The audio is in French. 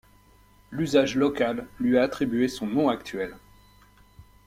L'usage local lui a attribué son nom actuel.